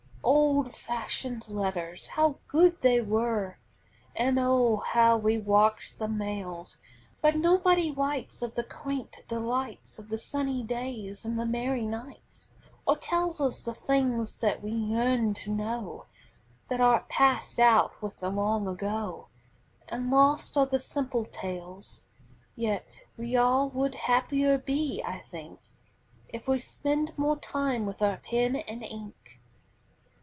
Old fashioned letters! How good they were! And, oh, how we watched the mails; But nobody writes of the quaint delights Of the sunny days and the merry nights Or tells us the things that we yearn to know That art passed out with the long ago, And lost are the simple tales; Yet we all would happier be, I think, If we'd spend more time with our pen and ink.